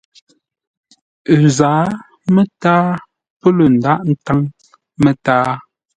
Ə zǎa mətǎa pə̂ lə̂ ndághʼ ńtáŋ mətǎa.